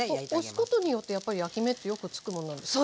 押すことによってやっぱり焼き目ってよくつくものなんですか？